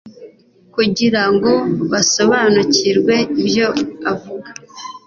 kugira ngo basobanukirwe ibyo avuga.